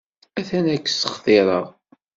Atan ad k-ssextireɣ.